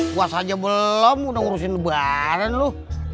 kuasa aja belum udah ngurusin lebaran lu